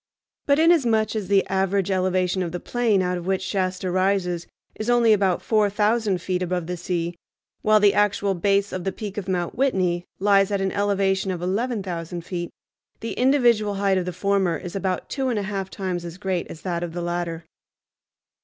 But inasmuch as the average elevation of the plain out of which Shasta rises is only about four thousand feet above the sea, while the actual base of the peak of Mount Whitney lies at an elevation of eleven thousand feet, the individual height of the former is about two and a half times as great as that of the latter.